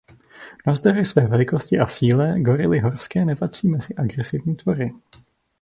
Navzdory své velikosti a síle gorily horské nepatří mezi agresivní tvory.